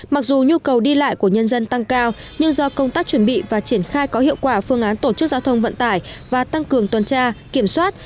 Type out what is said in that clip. mặc dù nhu cầu đi lại của nhân dân tăng cao nhưng do công tác chuẩn bị và triển khai có hiệu quả phương án tổ chức giao thông vận tải và tăng cường tuần tra kiểm soát